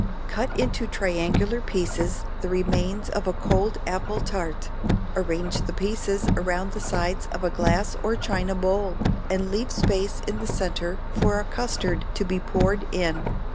Cut into triangular pieces the remains of a cold apple tart: arrange the pieces around the sides of a glass or china bowl, and leave space in the centre for a custard to be poured in.